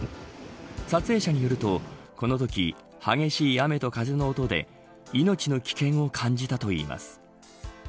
撮影者によると、このとき激しい雨と風の音で命の危険を感じたといいます。